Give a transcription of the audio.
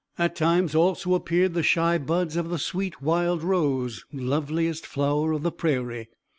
At times also appeared the shy buds of the sweet wild rose, loveliest flower of the prairie.